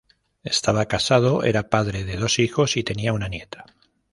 Estaba casado, era padre de dos hijos y tenía una nieta.